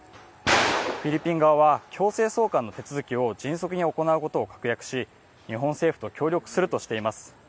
フィリピン側は強制送還の手続きを迅速に行うことを確約し日本政府と協力するとしています。